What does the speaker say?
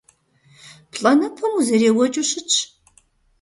Плӏанэпэм узэреуэкӏыу щытщ.